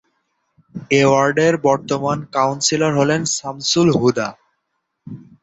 এ ওয়ার্ডের বর্তমান কাউন্সিলর হলেন সামসুল হুদা।